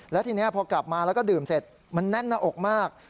แล้วทีนี้พอกลับมาแล้วก็ดื่มเสร็จมันแน่นหน้าอกมาก